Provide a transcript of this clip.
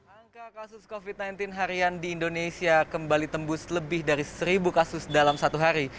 angka kasus covid sembilan belas harian di indonesia kembali tembus lebih dari seribu kasus dalam satu hari